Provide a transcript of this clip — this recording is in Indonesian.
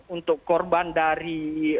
untuk korban dari